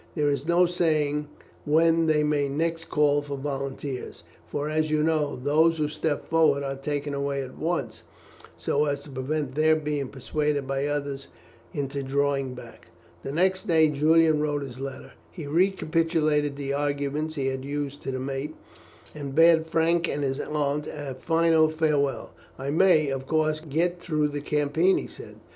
There is no saying when they may next call for volunteers; for, as you know, those who step forward are taken away at once, so as to prevent their being persuaded by the others into drawing back." The next day Julian wrote his letter. He recapitulated the arguments he had used to the mate, and bade Frank and his aunt a final farewell. "I may, of course, get through the campaign," he said.